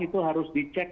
itu harus dikembangkan